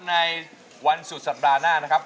ในวันสุดสัปดาห์หน้านะครับ